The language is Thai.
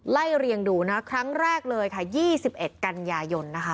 ไล่เรียงดูนะครั้งแรกเลยค่ะ๒๑กันยายนนะคะ